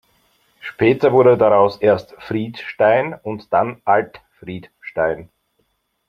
Später wurde daraus erst "Friedstein" und dann Altfriedstein.